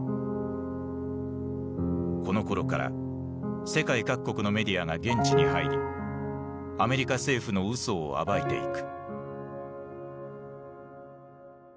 このころから世界各国のメディアが現地に入りアメリカ政府の嘘を暴いていく。